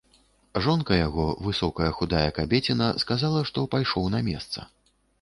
Жонка яго, высокая худая кабеціна, сказала, што пайшоў на места.